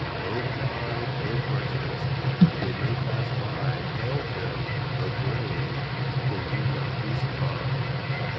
O Pride! O Prejudice! When they pass by, Hail them, the Brave, for you now crucified!